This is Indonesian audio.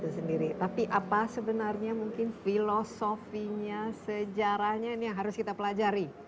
sejarahnya ini yang harus kita pelajari